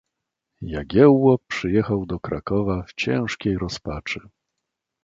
"Jagiełło przyjechał do Krakowa w ciężkiej rozpaczy."